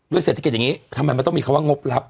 เศรษฐกิจอย่างนี้ทำไมมันต้องมีคำว่างบรับ